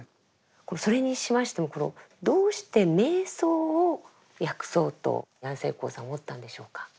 それにしましてもこのどうして瞑想を訳そうと安世高さん思ったんでしょうか？